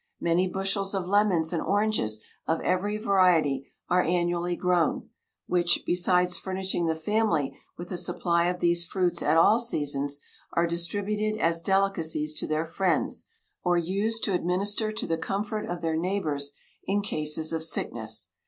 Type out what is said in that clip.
Many bushels of lemons and oranges, of every variety, are annually grown, which, besides furnishing the family with a supply of these fruits at all seasons, are distributed as delicacies to their friends, or used to administer to the comfort of their neighbours in cases of sickness.